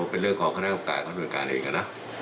ก็เป็นเรื่องของคณะกรรมการก่อนเดินการเองก็นะ